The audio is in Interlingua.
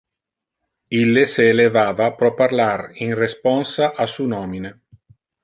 Ille se elevava pro parlar in responsa a su nomine.